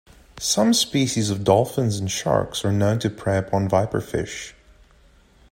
Some species of dolphins and sharks are known to prey upon viperfish.